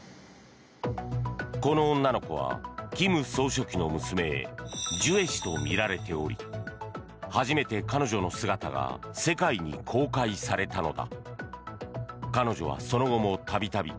この女の子は金総書記の娘ジュエ氏とみられており初めて彼女の姿が世界に公開されたのだ。